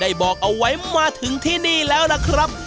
ได้บอกเอาไว้มาถึงที่นี่แล้วค่ะ